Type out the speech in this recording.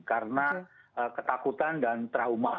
karena ketakutan dan trauma